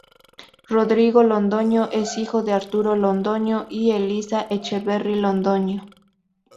Rodrigo Londoño es hijo de Arturo Londoño y Elisa Echeverry Londoño.